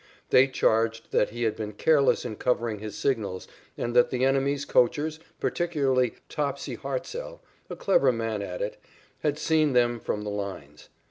They charged that he had been careless in covering his signals and that the enemy's coachers, particularly Topsy Hartsell, a clever man at it, had seen them from the lines.